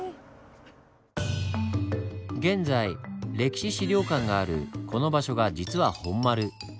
現在歴史資料館があるこの場所が実は本丸。